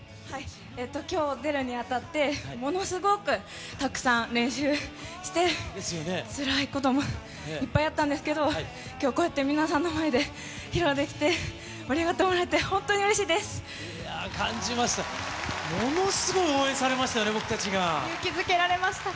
きょう出るにあたって、ものすごくたくさん、練習して、つらいこともいっぱいあったんですけど、きょう、こうやって皆さんの前で披露できて、盛り上がってもらって、いやー、感じました。